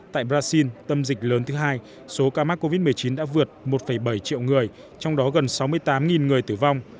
tại brazil tâm dịch lớn thứ hai số ca mắc covid một mươi chín đã vượt một bảy triệu người trong đó gần sáu mươi tám người tử vong